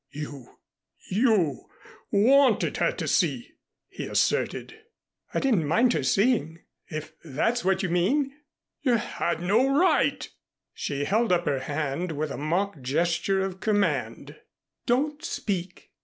"You you wanted her to see," he asserted. "I didn't mind her seeing if that's what you mean." "You had no right " She held up her hand with a mock gesture of command. "Don't speak!